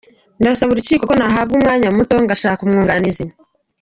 Ndasaba urukiko ko nahabwa umwanya ariko muto ngashaka umwunganizi.